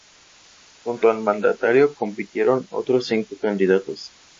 Junto al mandatario compitieron otros cinco candidatos.